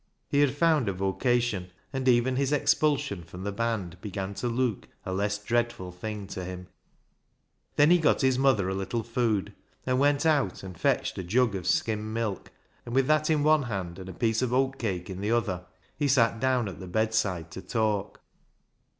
He had found a vocation, and even his expulsion from the band began to look a less dreadful thing to him. Then he got his mother a little food, and went out and fetched a jug of skimmed milk, and with that in one hand and a piece of oat cake in the other he sat down at the bedside to talk.